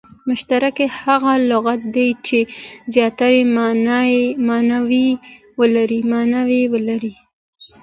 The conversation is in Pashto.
مشترک هغه لغت دئ، چي زیاتي ماناوي ولري.